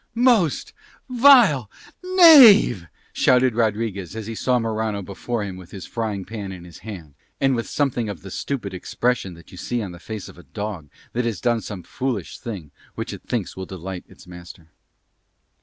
"Most vile knave," shouted Rodriguez as he saw Morano before him with his frying pan in his hand, and with something of the stupid expression that you see on the face of a dog that has done some foolish thing which it thinks will delight its master.